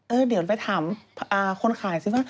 เดี๋ยวไปถามคนขายซิว่า